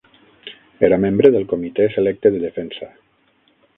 Era membre del Comitè Selecte de Defensa.